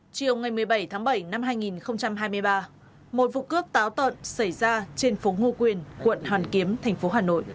chiều ngày một mươi bảy tháng bảy năm hai nghìn hai mươi ba một vụ cướp táo tợn xảy ra trên phố ngo quyền quận hoàn kiếm thành phố hà nội